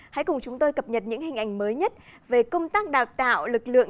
hãy cùng chúng tôi cập nhật những hình ảnh mới nhất về công tác đào tạo lực lượng